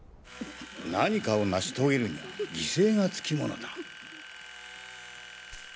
何かを成し遂げるには犠牲がつきものだ。